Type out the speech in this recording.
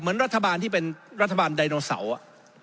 เหมือนรัฐบาลที่เป็นรัฐบาลไดโนเสาร์อ่ะ